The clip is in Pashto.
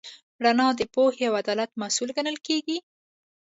رڼا د پوهې او عدالت محصول ګڼل کېږي.